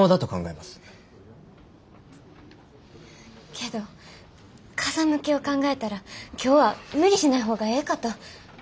けど風向きを考えたら今日は無理しない方がええかと。